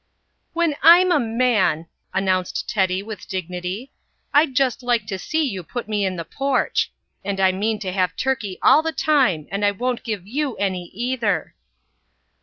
"When I'm a man," announced Teddy with dignity, "I'd just like to see you put me in the porch. And I mean to have turkey all the time and I won't give you any, either."